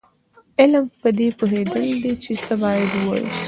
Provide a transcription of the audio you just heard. علم پدې پوهېدل دي چې څه باید ووایو.